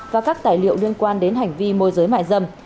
và các tài liệu liên quan đến hành vi môi giới mại dâm